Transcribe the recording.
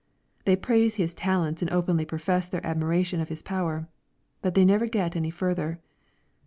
They praise his talents and openly profess their admiration of his power. But they never get any further.